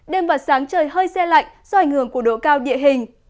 đêm và sáng trời hơi xe lạnh do ảnh hưởng của độ cao địa hình